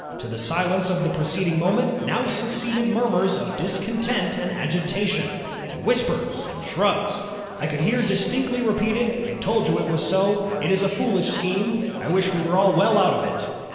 To the silence of the preceding moment, now succeeded murmurs of discontent and agitation, and whispers, and shrugs. I could hear distinctly repeated, 'I told you it was so; it is a foolish scheme; I wish we were well out of it.'"